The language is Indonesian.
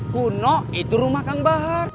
kuno itu rumah kang bahar